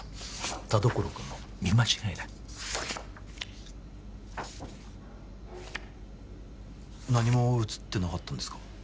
田所君の見間違いだ何も写ってなかったんですか？